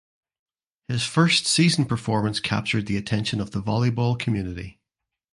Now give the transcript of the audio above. His first season performance captured the attention of the volleyball community.